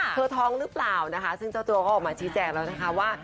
ท้องหรือเปล่านะคะซึ่งเจ้าตัวก็ออกมาชี้แจงแล้วนะคะว่า